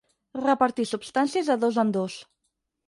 Repartir substàncies de dos en dos.